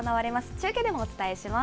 中継でもお伝えします。